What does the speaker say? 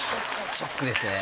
ショックですね。